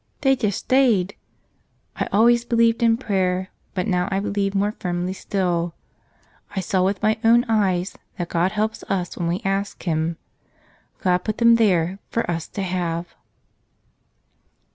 They just stayed. I always believed in prayer, but now I believe more firmly still. I saw with my own eyes that God helps us when we ask Him. God put them there for us to have."